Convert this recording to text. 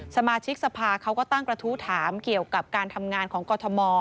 สมาชิกสภาเขาก็ตั้งกระทู้ถามเกี่ยวกับการทำงานของกรทม